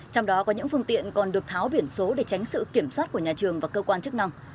trong đó có những phương tiện còn được tháo biển số để tránh sự kiểm soát của nhà trường và cơ quan chức năng